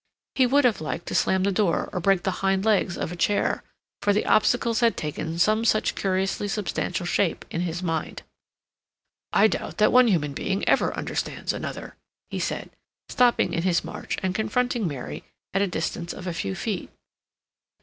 He would have liked to slam the door or break the hind legs of a chair, for the obstacles had taken some such curiously substantial shape in his mind. "I doubt that one human being ever understands another," he said, stopping in his march and confronting Mary at a distance of a few feet.